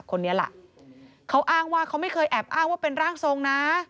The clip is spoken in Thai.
คนนี้ล่ะเขาอ้างว่าเขาไม่เคยแอบอ้างว่าเป็นร่างทรงนะ